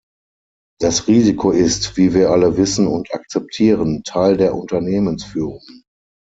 Das Risiko ist, wie wir alle wissen und akzeptieren, Teil der Unternehmensführung.